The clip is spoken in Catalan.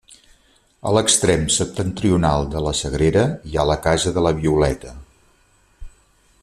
A l'extrem septentrional de la Sagrera hi ha la casa de la Violeta.